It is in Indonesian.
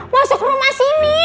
masuk rumah sini